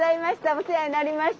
お世話になりました！